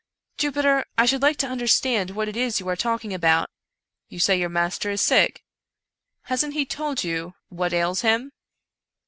" Jupiter, I should like to understand what it is you are talking about. You say your master is sick. Hasn't he told you what ails him